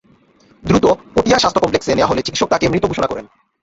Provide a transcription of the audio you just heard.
দ্রুত পটিয়া স্বাস্থ্য কমপ্লেক্সে নেওয়া হলে চিকিৎসক তাঁকে মৃত ঘোষণা করেন।